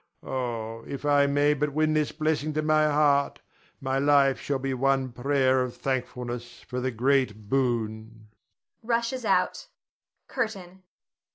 Oh, if I may but win this blessing to my heart, my life shall be one prayer of thankfulness for the great boon [rushes out]. CURTAIN.